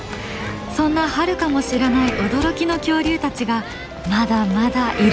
そんなハルカも知らない驚きの恐竜たちがまだまだいるんです。